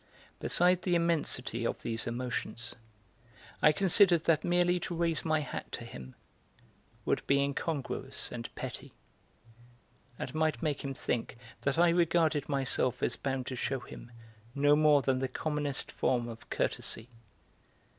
Beside the immensity of these emotions I considered that merely to raise my hat to him would be incongruous and petty, and might make him think that I regarded myself as bound to shew him no more than the commonest form of courtesy.